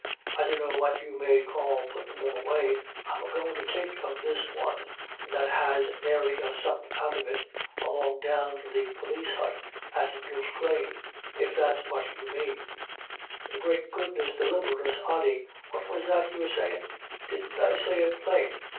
" I dunno what you may call puttin* them away. I'm a goin' to take of this one, that has nary a sup out of it, along down to the p<Slis hut at Duffclane, if that's what you mane." " The great goodness deliver us, Ody ! what was that you were say in' ?"" Didn't I say it plain